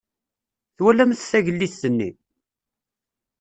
Twalamt tagellidt-nni?